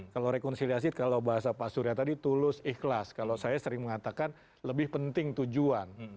kalau rekonsiliasi kalau bahasa pak surya tadi tulus ikhlas kalau saya sering mengatakan lebih penting tujuan